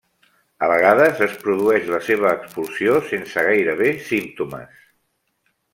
A vegades es produeix la seva expulsió sense gairebé símptomes.